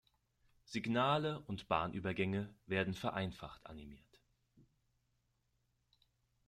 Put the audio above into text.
Signale und Bahnübergänge werden vereinfacht animiert.